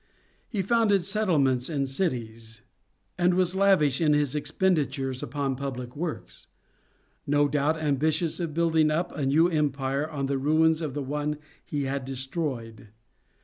He founded settlements and cities, and was lavish in his expenditures upon public works; no doubt ambitious of building up a new empire on the ruins of the one he had destroyed.